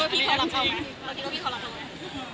แต่เราคิดว่าพี่เขารักเขาไหม